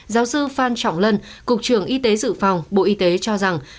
giáo sư phan trọng lân cục trưởng y tế dự phòng bộ y tế cho rằng